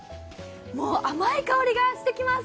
甘い香りがしてきます。